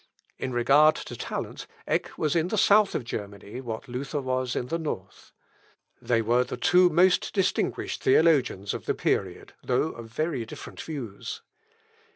In regard to talent, Eck was in the south of Germany what Luther was in the north. They were the two most distinguished theologians of the period, though of very different views.